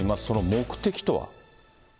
その目的とは。